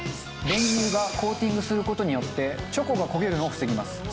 練乳がコーティングする事によってチョコが焦げるのを防ぎます。